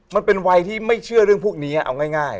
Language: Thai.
มันเป็นวัยที่ไม่เชื่อเรื่องพวกนี้เอาง่าย